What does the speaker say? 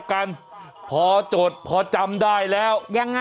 เอาล่ะอย่างนี้แล้วกันพอจดพอจำได้แล้วยังไง